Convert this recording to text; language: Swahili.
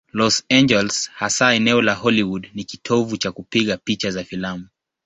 Los Angeles, hasa eneo la Hollywood, ni kitovu cha kupiga picha za filamu.